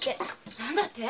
何だって！？